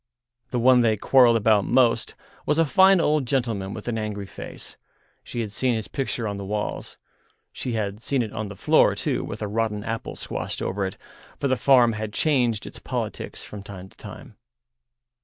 The one they quarrelled about most was a fine old gentleman with an angry face—she had seen his picture on the walls. She had seen it on the floor too, with a rotten apple squashed over it, for the farm had changed its politics from time to time.